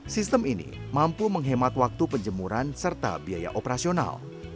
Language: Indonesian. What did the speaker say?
sistem ini mampu menghemat waktu penjemuran serta biaya operasional